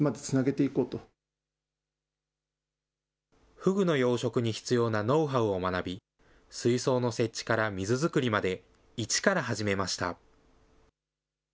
フグの養殖に必要なノウハウを学び、水槽の設置から水作りまで一から始めました。